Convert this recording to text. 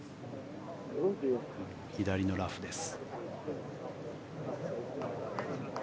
左のラフです。